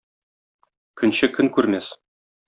Көнче көн күрмәс.